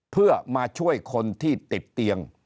เพื่อมาช่วยคนที่ติดเตียง